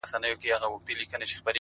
خدایه هغه مه اخلې زما تر جنازې پوري ـ